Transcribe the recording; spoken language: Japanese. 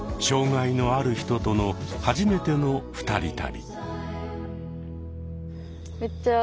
障害のある人との初めての二人旅。